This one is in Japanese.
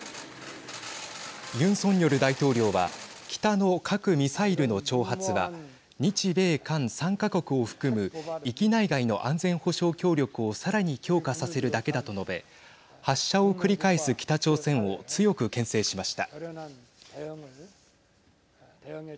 ユン・ソンニョル大統領は北の核・ミサイルの挑発は日米韓３か国を含む域内外の安全保障協力をさらに強化させるだけだと述べ発射を繰り返す北朝鮮を強くけん制しました。